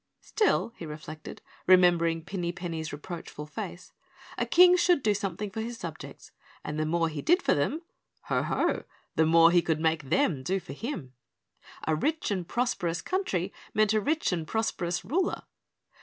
Still, he reflected, remembering Pinny Penny's reproachful face, a King should do something for his subjects and the more he did for them Ho, ho! the more he could make them do for him. A rich and prosperous country meant a rich and prosperous ruler.